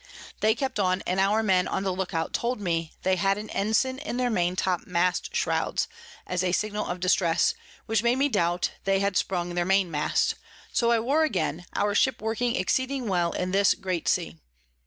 They kept on, and our Men on the look out told me they had an Ensign in their Maintop Mast Shrouds as a Signal of Distress, which made me doubt they had sprung their Main Mast; so I wore again, our Ship working exceeding well in this great Sea.